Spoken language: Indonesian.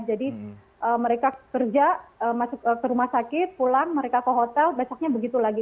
jadi mereka kerja masuk ke rumah sakit pulang mereka ke hotel besoknya begitu lagi